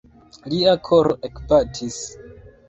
Lia koro ekbatis.